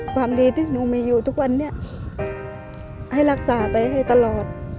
ความดีที่หนูมีอยู่ทุกวันนี้ให้รักษาไปให้ตลอด